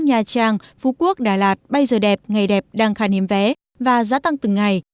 nha trang phú quốc đà lạt bay giờ đẹp ngày đẹp đang khan hiếm vé và giá tăng từng ngày